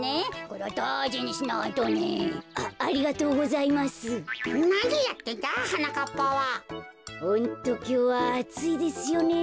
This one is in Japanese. ホントきょうはあついですよね。